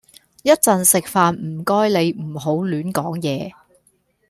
一陣食飯唔該你唔好亂講嘢